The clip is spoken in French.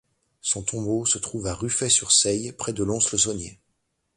Son tombeau se trouve à Ruffey-sur-Seille, près de Lons-le-Saunier.